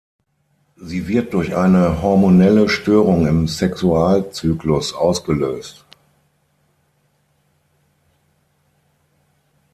Sie wird durch eine hormonelle Störung im Sexualzyklus ausgelöst.